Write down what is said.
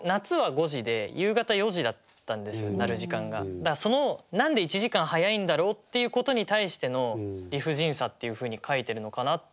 だからその何で１時間早いんだろうっていうことに対しての理不尽さっていうふうに書いてるのかなって。